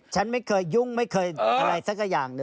ฉันไม่เคยยุ่งไม่เคยอะไรสักอย่างหนึ่ง